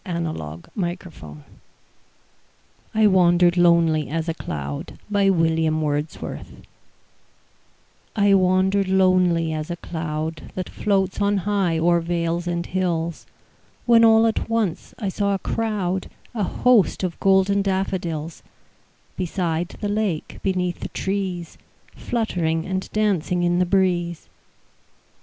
William Wordsworth I Wandered Lonely As a Cloud I WANDERED lonely as a cloud That floats on high o'er vales and hills, When all at once I saw a crowd, A host, of golden daffodils; Beside the lake, beneath the trees, Fluttering and dancing in the breeze.